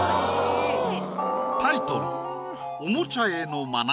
タイトル